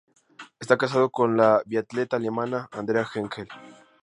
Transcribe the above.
Está casado con la biatleta alemana Andrea Henkel.